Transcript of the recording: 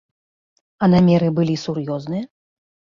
А намеры былі сур'ёзныя?